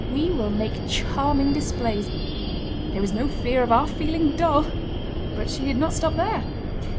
We will make charming displays. There is no fear of our feeling dull." But she did not stop there.